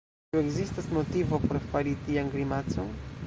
Ĉu ekzistas motivo por fari tian grimacon?